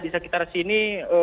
di sekitar sini